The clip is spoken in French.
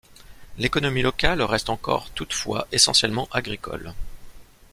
L'économie locale reste encore toutefois essentiellement agricole.